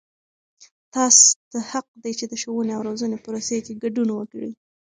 تاسې ته حق دی چې د ښووني او روزنې پروسې کې ګډون وکړئ.